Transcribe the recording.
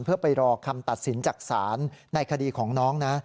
เพื่อไปรอคำตัดสินจากศาลในคดีของน้องนะ